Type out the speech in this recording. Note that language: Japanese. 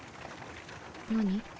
何？